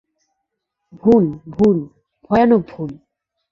ভুল, ভুল, ভয়ানক ভুল!